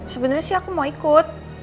sebenarnya sih aku mau ikut